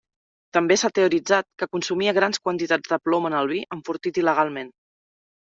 També s'ha teoritzat que consumia grans quantitats de plom en el vi enfortit il·legalment.